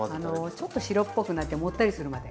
ちょっと白っぽくなってもったりするまで。